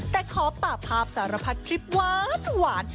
แต่ขอปากภาพสารพัดคลิปหวาน